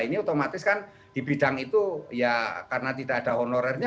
ini otomatis kan di bidang itu ya karena tidak ada honorernya